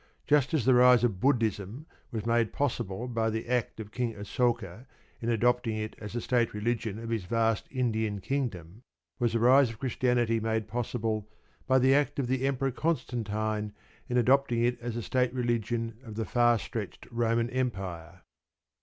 Just as the rise of Buddhism was made possible by the act of King Asoka in adopting it as the State Religion of his vast Indian kingdom, was the rise of Christianity made possible by the act of the Emperor Constantine in adopting it as the State religion of the far stretched Roman Empire.